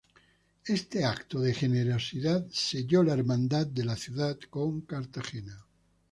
Este acto de generosidad selló la hermandad de la ciudad con Cartagena.